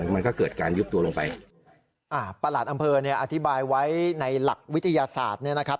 มันก็เกิดการยุบตัวลงไปอ่าประหลัดอำเภอเนี่ยอธิบายไว้ในหลักวิทยาศาสตร์เนี่ยนะครับ